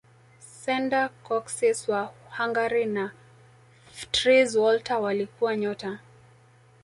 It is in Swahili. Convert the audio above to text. sendor Kocsis wa Hungary na Ftritz Walter walikuwa nyota